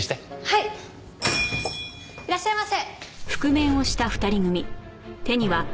いらっしゃいませ！